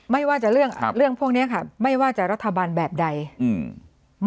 ไม่ว่าจะเรื่องอ่าเรื่องพวกเนี้ยค่ะไม่ว่าจะรัฐบาลแบบใดอืม